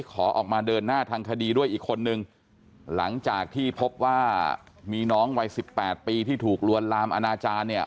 ขอออกมาเดินหน้าทางคดีด้วยอีกคนนึงหลังจากที่พบว่ามีน้องวัยสิบแปดปีที่ถูกลวนลามอนาจารย์เนี่ย